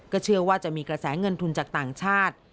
เชื่อว่าจะมีกระแสเงินทุนจากต่างชาติ